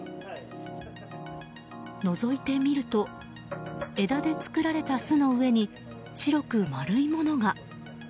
のぞいて見ると枝で作られた巣の上に白く丸いものが。